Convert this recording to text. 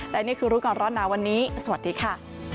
และนี่คือรู้ก่อนร้อนหนาวันนี้สวัสดีค่ะ